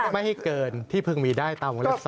ไม่ให้เกินที่พึงมีได้ต้องในลักษณะ๒